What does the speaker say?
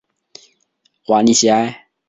瓦利吉埃。